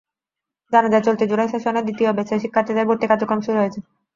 জানা যায়, চলতি জুলাই সেশনে দ্বিতীয় ব্যাচে শিক্ষার্থীদের ভর্তি কার্যক্রম শুরু হয়েছে।